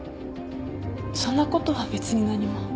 そんなことは別に何も。